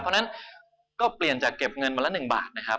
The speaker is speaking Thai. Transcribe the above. เพราะฉะนั้นก็เปลี่ยนจากเก็บเงินวันละ๑บาทนะครับ